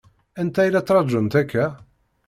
Anta i la ttṛaǧunt akka?